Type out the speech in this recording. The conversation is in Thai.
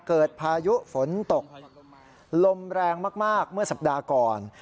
พายุฝนตกลมแรงมากเมื่อสัปดาห์ก่อน